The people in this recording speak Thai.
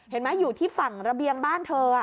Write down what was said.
อยู่ที่ฝั่งระเบียงบ้านเธอ